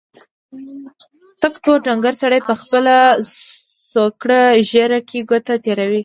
تک تور ډنګر سړي په خپله څوکړه ږيره کې ګوتې تېرې کړې.